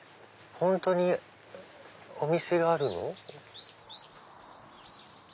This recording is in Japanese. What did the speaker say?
本当にお店があるの？